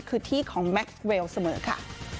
คือที่ของแม็กซเวลเสมอค่ะ